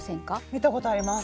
見たことあります。